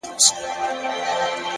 هره هڅه ارزښت رامنځته کوي!